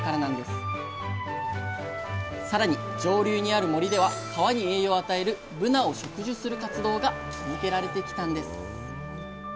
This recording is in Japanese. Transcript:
更に上流にある森では川に栄養を与えるブナを植樹する活動が続けられてきたんです。